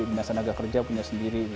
dinas tenaga kerja punya sendiri